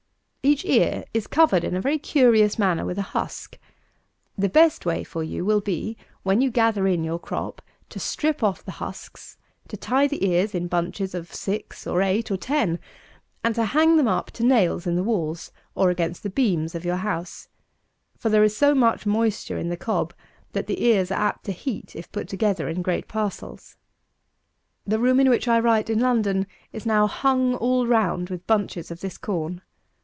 Each ear is covered in a very curious manner with a husk. The best way for you will be, when you gather in your crop to strip off the husks, to tie the ears in bunches of six or eight or ten, and to hang them up to nails in the walls, or against the beams of your house; for there is so much moisture in the cob that the ears are apt to heat if put together in great parcels. The room in which I write in London is now hung all round with bunches of this corn.